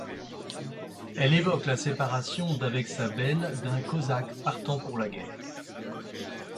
Elle évoque la séparation d'avec sa belle d'un cosaque partant pour la guerre.